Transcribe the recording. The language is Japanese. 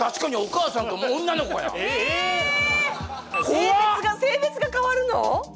あ怖っ性別が変わるの？